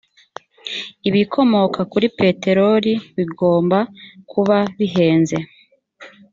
ibikomoka kuri peteroli bigomba kuba bihenze